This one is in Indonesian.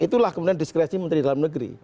itulah kemudian diskresi menteri dalam negeri